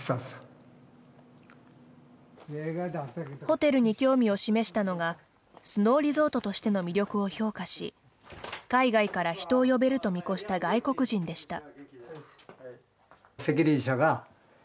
ホテルに興味を示したのがスノーリゾートとしての魅力を評価し海外から人を呼べると見越した外国人でした。